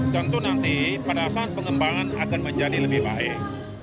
dan itu nanti pada saat pengembangan akan menjadi lebih baik